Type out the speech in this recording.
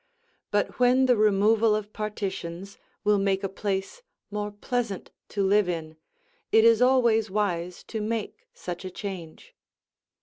But when the removal of partitions will make a place more pleasant to live in, it is always wise to make such a change.